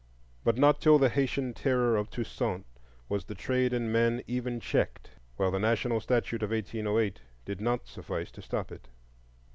But not till the Haytian Terror of Toussaint was the trade in men even checked; while the national statute of 1808 did not suffice to stop it.